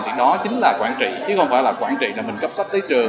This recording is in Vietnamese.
thì đó chính là quản trị chứ không phải là quản trị là mình cấp sách tới trường